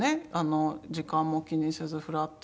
時間も気にせずふらっと。